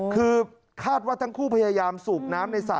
คือคาดว่าทั้งคู่พยายามสูบน้ำในสระ